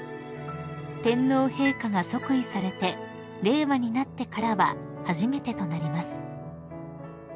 ［天皇陛下が即位されて令和になってからは初めてとなります］